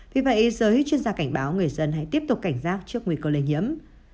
vì vậy giới chuyên gia cảnh báo người dân hãy tiếp tục cảnh giác trước nguy cơ lây nhiễm